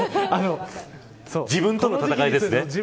自分との戦いですか。